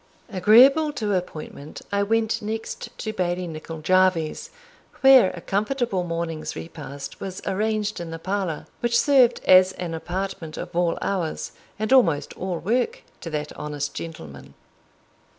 Agreeable to appointment, I went next to Bailie Nicol Jarvie's, where a comfortable morning's repast was arranged in the parlour, which served as an apartment of all hours, and almost all work, to that honest gentleman.